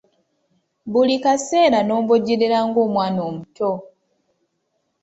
Buli kaseera n'omboggolera ng'omwana omuto!